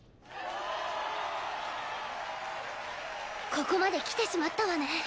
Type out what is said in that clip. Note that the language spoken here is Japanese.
ここまできてしまったわね。